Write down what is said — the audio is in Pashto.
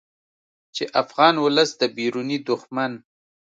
چې افغان ولس د بیروني دښمن